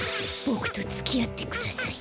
ボクとつきあってください。